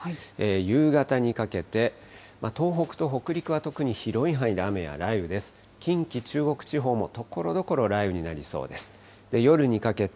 夕方にかけて、東北と北陸は特に広い範囲で雨や雷雨です。